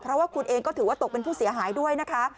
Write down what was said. เพราะว่าคุณเองก็ถือว่าตกเป็นผู้เสียหายด้วยนะคะ